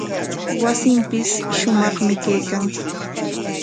Wasinpis shumaqmi kaykan.